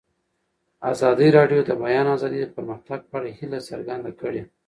ازادي راډیو د د بیان آزادي د پرمختګ په اړه هیله څرګنده کړې.